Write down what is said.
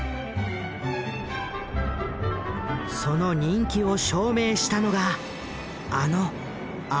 その人気を証明したのがあの「アポロ計画」。